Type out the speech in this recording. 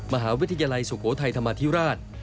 มหาวิทยาลัยสุโขทัยธรรมาธิราช